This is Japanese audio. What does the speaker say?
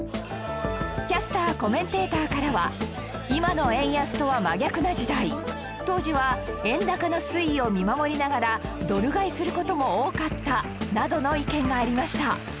キャスターコメンテーターからは「今の円安とは真逆な時代」「当時は円高の推移を見守りながらドル買いする事も多かった」などの意見がありました